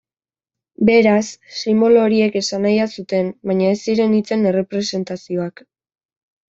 Beraz, sinbolo horiek esanahia zuten baina ez ziren hitzen errepresentazioak.